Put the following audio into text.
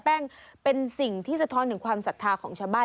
แป้งเป็นสิ่งที่สะท้อนถึงความศรัทธาของชาวบ้าน